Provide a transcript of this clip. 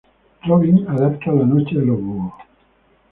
Robin, adapta la Noche de los búhos.